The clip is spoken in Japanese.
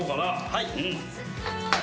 はい。